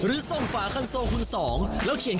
อุ้ยสูงมากแรงเยอะจริง